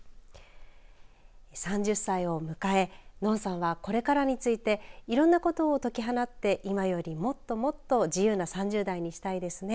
３０歳を迎えのんさんは、これからについていろんなことを解き放って今よりもっともっと自由な３０代にしたいですね。